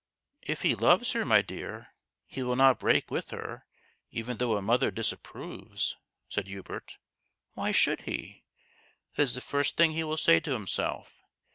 " If he loves her, my dear, he will not break with her, even though a mother disapproves," said Hubert. " Why should he ? That is the first thing he will say to himself.